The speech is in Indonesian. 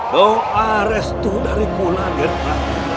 doa restu dari kula ger prabowo